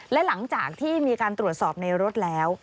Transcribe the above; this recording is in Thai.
และหลังจากที่มีการตรวจสอบในรถแล้ว